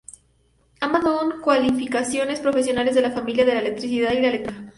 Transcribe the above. Ambas son cualificaciones profesionales de la familia de la electricidad y la electrónica.